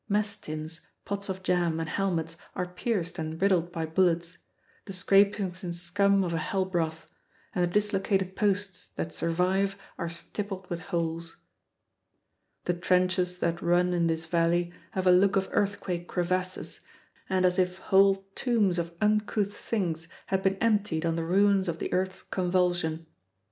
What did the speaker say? Mess tins, pots of jam, and helmets are pierced and riddled by bullets the scrapings and scum of a hell broth; and the dislocated posts that survive are stippled with holes. The trenches that run in this valley have a look of earthquake crevasses, and as if whole tombs of uncouth things had been emptied on the ruins of the earth's convulsion.